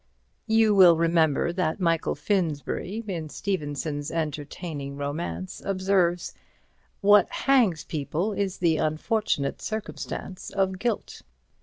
You will remember that Michael Finsbury, in Stevenson's entertaining romance, observes: "What hangs people is the unfortunate circumstance of guilt."